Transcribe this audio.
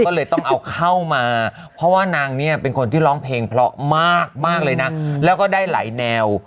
ก็เลยต้องเอาเข้ามาเพราะว่านางเนี่ยเป็นคนที่ร้องเพลงเพราะมากเลยนะแล้วก็ได้หลายแนว